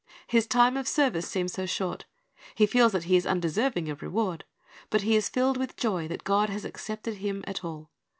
His time of service seems so short, he feels that he is undeserving of reward; but he is filled with joy that God has accepted him at all.